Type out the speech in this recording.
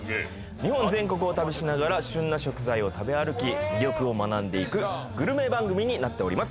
日本全国を旅しながら旬な食材を食べ歩き魅力を学んでいくグルメ番組になっております